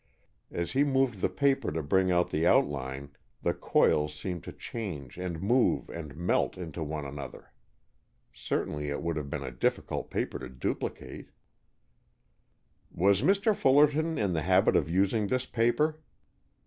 As he moved the paper to bring out the outline, the coils seemed to change and move and melt into one another. Certainly it would have been a difficult paper to duplicate. "Was Mr. Fullerton in the habit of using this paper?"